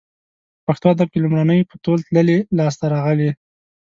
په پښتو ادب کې لومړنۍ په تول تللې لاسته راغلې